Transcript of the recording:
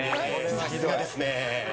さすがですね。